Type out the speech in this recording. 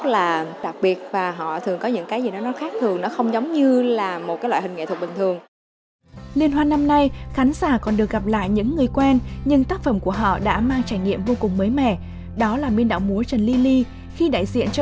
lê lê khi đại diện cho đoàn việt nam mang tới tác phẩm yes yes no no